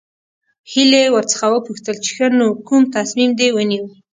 هيلې ورڅخه وپوښتل چې ښه نو کوم تصميم دې ونيو.